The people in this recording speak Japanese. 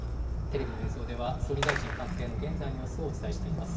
テレビの映像では総理大臣官邸の現在の様子をお伝えしています。